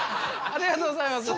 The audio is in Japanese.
ありがとうございます。